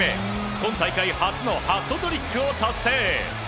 今大会初のハットトリックを達成。